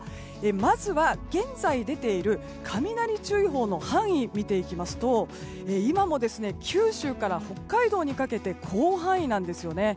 まずは現在出ている雷注意報の範囲を見ていきますと今も九州から北海道にかけて広範囲なんですね。